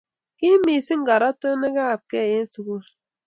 ki iim mising karotenekabgei eng sukul